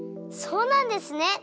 そうなんですね。